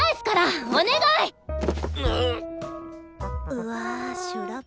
うわ修羅場？